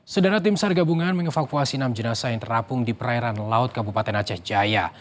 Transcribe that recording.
sedara tim sar gabungan mengevakuasi enam jenasa yang terapung di perairan laut kabupaten aceh jaya